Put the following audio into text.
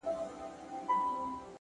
هره لاسته راوړنه هڅه غواړي!